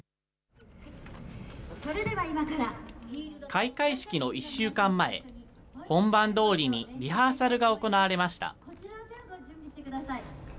開会式の１週間前、本番どおりにリハーサルが行われました。